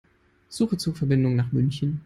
Suche Zugverbindungen nach München.